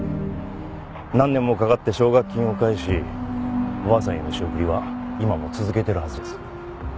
何年もかかって奨学金を返しおばあさんへの仕送りは今も続けてるはずです。